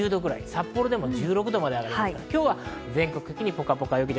札幌でも１６度まで上がり、今日は全国的にポカポカ陽気。